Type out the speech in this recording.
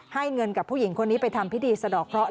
เงินกับผู้หญิงคนนี้ไปทำพิธีสะดอกเคราะห